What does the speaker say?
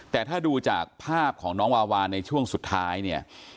แต่ถ้าดูจากภาพของน้องวาวาในช่วงสุดท้ายเนี่ย